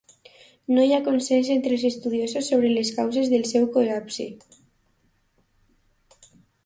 No hi ha consens entre els estudiosos sobre les causes del seu col·lapse.